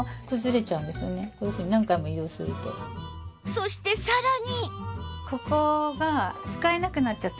そしてさらに